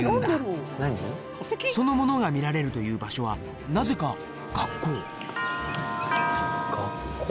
その物が見られるという場所はなぜか学校学校？